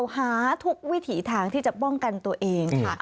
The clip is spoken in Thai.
หาทุกวิถีทางที่จะป้องกันตัวเองค่ะ